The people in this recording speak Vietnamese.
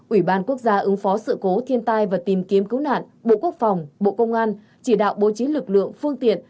ủy ban quốc gia ứng phó sự cố thiên tai và tìm kiếm cứu nạn bộ quốc phòng bộ công an chỉ đạo bố trí lực lượng phương tiện